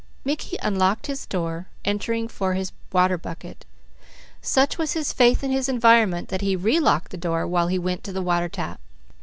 Mickey unlocked his door, entering for his water bucket. Such was his faith in his environment that he relocked the door while he went to the water tap.